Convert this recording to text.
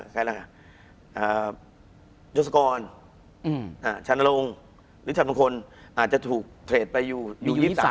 คุณผู้ชมบางท่าอาจจะไม่เข้าใจที่พิเตียร์สาร